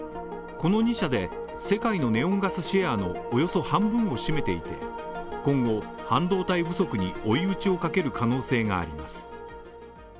この２社で世界のネオンガスシェアのおよそ半分を占めていて今後、半導体不足に追い打ちをかける可能性があります。